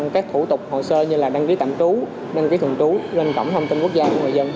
các thủ tục hồ sơ như là đăng ký tạm trú đăng ký thường trú lên cổng thông tin quốc gia của người dân